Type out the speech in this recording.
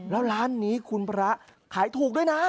แล้วร้านนี้คุณพระขายถูกด้วยนะ